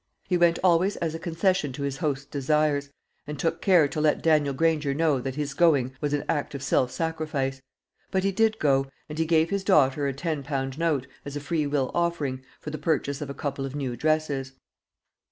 He went always as a concession to his host's desires, and took care to let Daniel Granger know that his going was an act of self sacrifice; but he did go, and he gave his daughter a ten pound note, as a free will offering, for the purchase of a couple of new dresses.